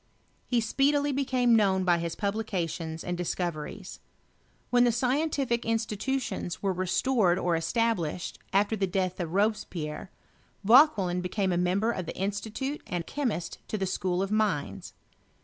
He speedily became known by his publications and discoveries. When the scientific institutions were restored or established, after the death of Robespierre, Vauquelin became a. member of the Institute and chemist to the School of Mines.